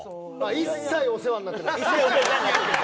一切お世話になってない！